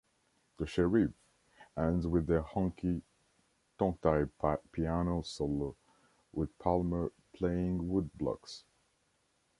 "The Sheriff" ends with a honky tonk-type piano solo with Palmer playing woodblocks.